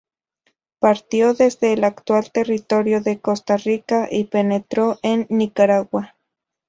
Partió, desde el actual territorio de Costa Rica y penetró en Nicaragua.